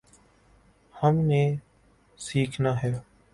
ہم نے سیکھنا ہے۔